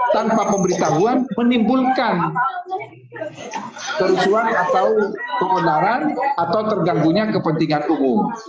tanpa pemberitahuan menimbulkan kerusuhan atau keonaran atau terganggunya kepentingan umum